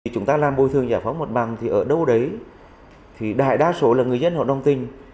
chúng ta làm bồi thường giải phóng mặt bằng thì ở đâu đấy thì đại đa số là người dân họ đồng tình